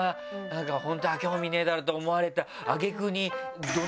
本当は興味ねえだろって思われて挙げ句に。